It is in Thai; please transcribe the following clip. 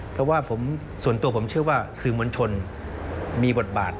เพราะว่าส่วนตัวผมเชื่อว่าสื่อมวลชนมีบทบาท